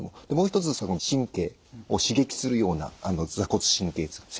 でもう一つ神経を刺激するような座骨神経痛。